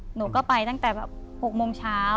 หนูก็ไปก่อน๖โมงเช้า